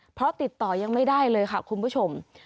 เพราะติดต่อยังไม่ได้เลยค่ะคุณผู้ชม